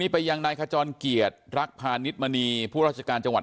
ไปยังนายขจรเกียรติรักพาณิชมณีผู้ราชการจังหวัด